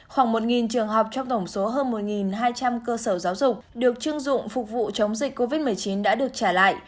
khoảng một trường học trong tổng số hơn một hai trăm linh cơ sở giáo dục được chưng dụng phục vụ chống dịch covid một mươi chín đã được trả lại